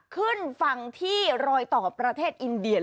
ขึ้นฝั่งที่รอยต่อประเทศอินเดีย